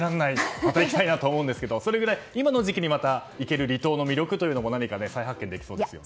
また行きたいなと思うんですがそれぐらい、今の時期に行ける離島の魅力も再発見できそうですね。